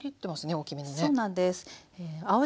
大きめにね。